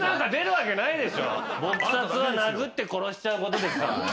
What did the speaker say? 撲殺は殴って殺しちゃうことですから。